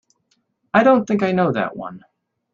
I don't think I know that one.